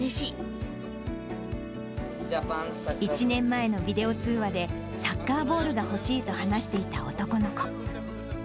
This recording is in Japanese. １年前のビデオ通話で、サッカーボールが欲しいと話していた男の子。